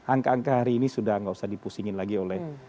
angka angka hari ini sudah tidak usah dipusingin lagi oleh